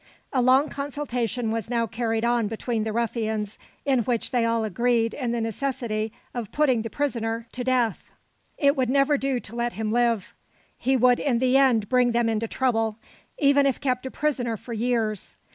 A long consultation was now carried on between the ruffians, in which they all agreed in the necessity of putting the prisoner to death. It would never do to let him live. He would in the end bring them into trouble, even if kept a prisoner for years.